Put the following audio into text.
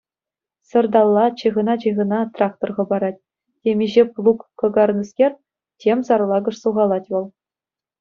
Сӑрталла, чыхӑна-чыхӑна, трактор хӑпарать, темиҫе плуг кӑкарнӑскер, тем сарлакӑш сухалать вӑл.